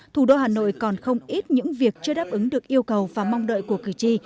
thủ đô hà nội còn không ít những việc chưa đáp ứng được yêu cầu và mong đợi của cử tri